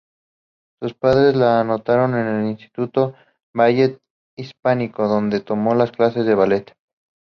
Sus padres la anotaron en el instituto Ballet Hispánico, donde tomó clases de ballet.